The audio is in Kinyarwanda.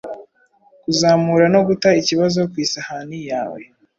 Kuzamura no guta ikibazo ku isahani yawe